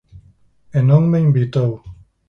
E non me invitou.